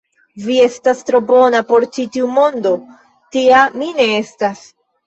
Vi estas tro bona por ĉi tiu mondo; tia mi ne estas.